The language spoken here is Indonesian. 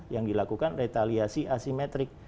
yang dilakukan retaliasi asimetrik